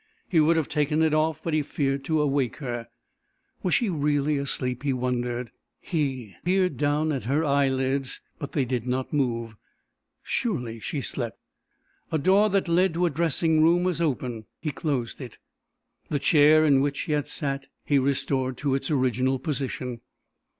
He would have taken it off but he feared to awake her. Was she really asleep, he wondered. He peered down at her eyelids but they did not move. Surely she slept. A door that led to a dressing room was open. He closed it. The chair in which he had sat he restored to its original position.